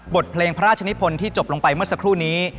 บทเพลงพระราชนิพลที่จบลงไปเมื่อสักครู่นี้